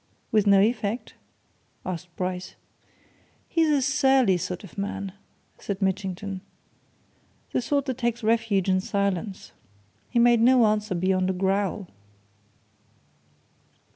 "With no effect?" asked Bryce. "He's a surly sort of man," said Mitchington. "The sort that takes refuge in silence. He made no answer beyond a growl."